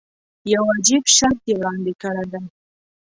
یو عجیب شرط یې وړاندې کړی دی.